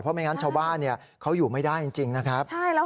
เพราะไม่งั้นชาวบ้านเขาอยู่ไม่ได้จริงนะครับ